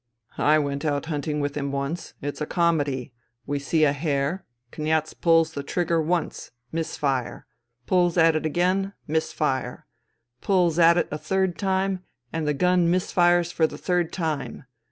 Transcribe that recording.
" I went out hunting with him once. It's a comedy ! We see a hare. Kniaz pulls the trigger once — misfire. Pulls at it again — misfire. Pulls at it a third time — and the gun misfires for the third time.